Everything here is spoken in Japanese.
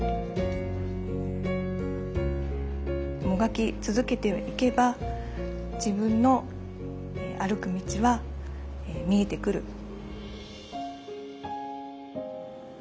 もがき続けていけば自分の歩く道は見えてくる。